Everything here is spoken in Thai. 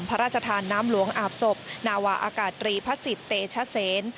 พระราชทานน้ำหลวงอาบศพนาวาอากาศตรีพระศิษย์เตชเซน